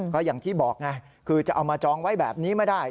ก็อย่างที่บอกไงคือจะเอามาจองไว้แบบนี้ไม่ได้